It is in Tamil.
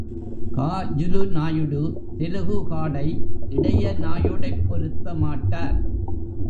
காஜுலு நாயுடு தெலுகு காடை, இடைய நாயுடைப் பொருத்த மாட்டார்.